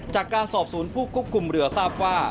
จากการสอบสวนผู้ควบคุมเรือทราบว่า